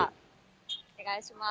お願いします。